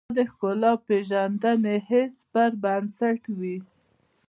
دا د ښکلا پېژندنې حس پر بنسټ وي.